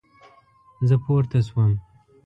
زه پورته شوم